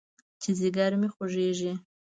چې ځيگر مې خوږېږي.